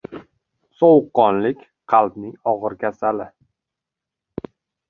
Sovuqqonlik — qalbning og‘ir kasali.